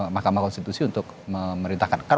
mahkamah konstitusi untuk memerintahkan